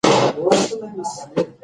د پروسس شوې غوښې کمول هم ګټور ګڼل شوی دی.